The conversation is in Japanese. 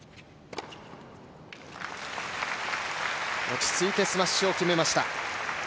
落ち着いてスマッシュを決めました。